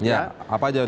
apa aja itu pak